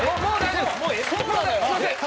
すみません！